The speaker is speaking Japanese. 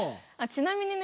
ちなみにね